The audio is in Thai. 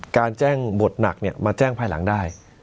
การแจ้งบทหนักมาแจ้งภายหลังได้